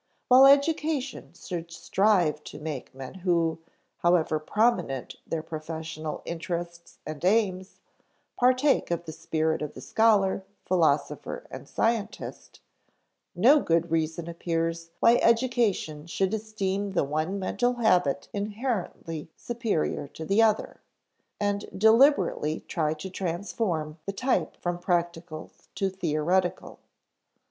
While education should strive to make men who, however prominent their professional interests and aims, partake of the spirit of the scholar, philosopher, and scientist, no good reason appears why education should esteem the one mental habit inherently superior to the other, and deliberately try to transform the type from practical to theoretical.